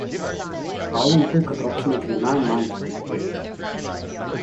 The album took approximately nine months to complete.